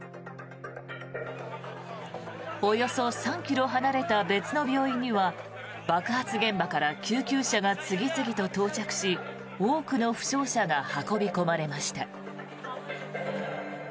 およそ３ｋｍ離れた別の病院には爆発現場から救急車が次々と到着し多くの負傷者が運び込まれました。